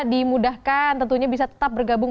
dimudahkan tentunya bisa tetap bergabung